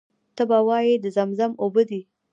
ته به وایې د زمزم اوبه دي.